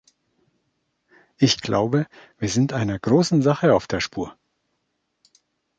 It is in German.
Ich glaube, wir sind einer großen Sache auf der Spur!